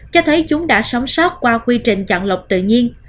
cho thấy chúng đã sống sót qua quy trình chọn lọc tự nhiên